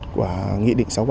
và nghĩa định sáu bảy